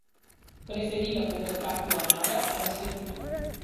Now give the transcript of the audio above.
Preferì la povertà più amara alla servitù.